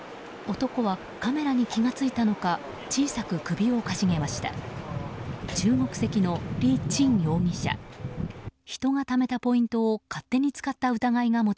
男はカメラに気が付いたのか小さく首をかしげました。